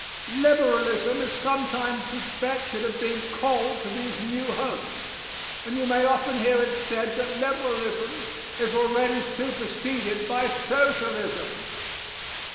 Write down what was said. Liberalism is sometimes suspected of being cold to these new hopes, and you may often hear it said that Liberalism is already superseded by Socialism.